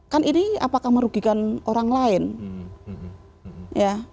kan ini apakah merugikan orang lain ya